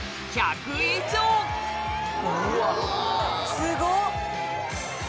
すごっ。